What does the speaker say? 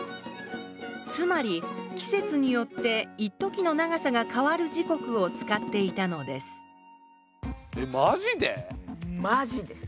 つまり季節によっていっときの長さが変わる時刻を使っていたのですえマジで？